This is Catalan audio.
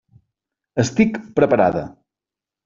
Estic preparada.